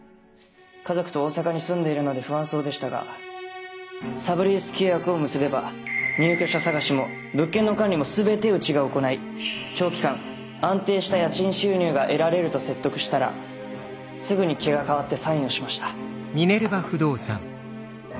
家族と大阪に住んでいるので不安そうでしたがサブリース契約を結べば入居者探しも物件の管理も全てうちが行い長期間安定した家賃収入が得られると説得したらすぐに気が変わってサインをしました。